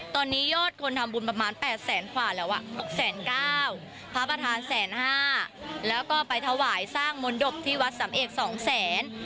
ตอนนี้ยอดคนทำบุญประมาณ๘แสนกว่าแล้ว๖๙๐๐พระประธานแสนห้าแล้วก็ไปถวายสร้างมนตบที่วัดสำเอก๒แสน